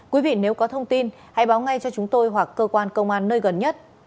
quý vị nếu có thông tin hãy báo ngay cho chúng tôi hoặc cơ quan công an nơi gần nhất